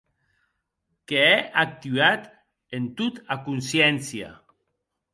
Qu’è actuat en tot a consciéncia.